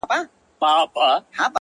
o ځوان دعا کوي؛